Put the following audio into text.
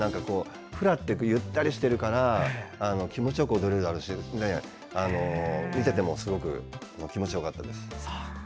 フラってゆったりしてるから気持ちよく踊れるだろうし見ていてもすごく気持ちよかったです。